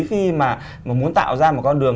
khi mà muốn tạo ra một con đường